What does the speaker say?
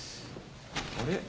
あれ？